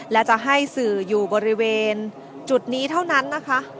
และจะให้สื่ออยู่บริเวณจุดนี้เท่านั้นนะคะ